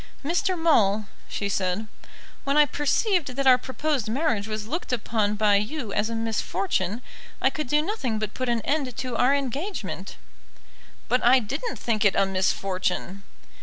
"Mr. Maule," she said, "when I perceived that our proposed marriage was looked upon by you as a misfortune, I could do nothing but put an end to our engagement." "But I didn't think it a misfortune."